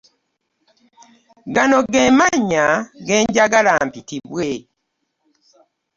Gano get mannya genjagala mpitibwe.